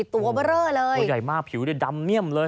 ตัวเบอร์เรอเลยตัวใหญ่มากผิวเนี่ยดำเมี่ยมเลย